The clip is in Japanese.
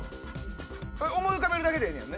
思い浮かべるだけでええねんね？